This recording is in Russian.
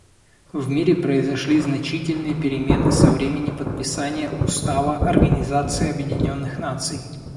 В мире произошли значительные перемены со времени подписания Устава Организации Объединенных Наций.